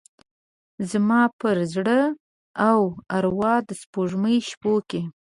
زما پر زړه او اروا د سپوږمۍ شپوکې،